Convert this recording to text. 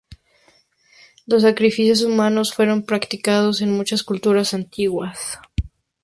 Los sacrificios humanos fueron practicados en muchas culturas antiguas.